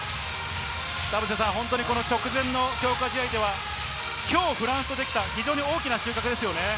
田臥さん、本当に直前の強化試合ではきょうフランスとできた、非常に大きな収穫ですよね。